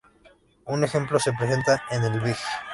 Un ejemplo se presenta en la Fig.